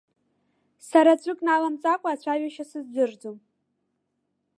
Сара ҵәык наламҵакәа ацәажәашьа сыздырӡом.